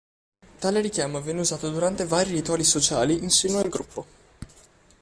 Tale richiamo viene usato durante vari rituali sociali in seno al gruppo.